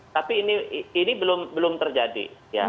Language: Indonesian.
tapi ini belum terjadi